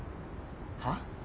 はっ？